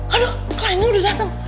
aduh kliennya udah dateng